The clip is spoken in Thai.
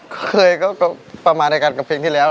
เคยก็ประมาณในกับเพลงที่เรียน